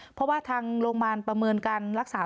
เพราะว่าทางโรงพยาบาลประเมินการรักษา